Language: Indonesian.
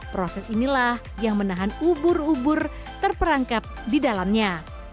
proses inilah yang menahan ubur ubur terperangkap di dalamnya